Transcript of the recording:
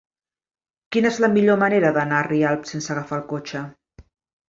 Quina és la millor manera d'anar a Rialp sense agafar el cotxe?